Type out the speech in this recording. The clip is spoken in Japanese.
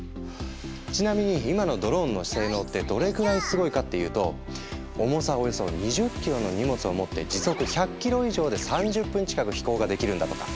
ちなみに今のドローンの性能ってどれぐらいすごいかっていうと重さおよそ２０ｋｇの荷物を持って時速１００ｋｍ以上で３０分近く飛行ができるんだとか。